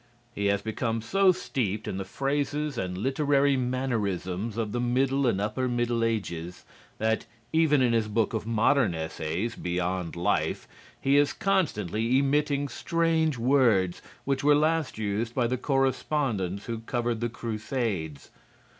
He has become so steeped in the phrases and literary mannerisms of the middle and upper middle ages that, even in his book of modern essays "Beyond Life," he is constantly emitting strange words which were last used by the correspondents who covered the crusades.